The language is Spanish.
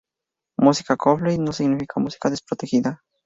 Música Copyleft no significa música desprotegida.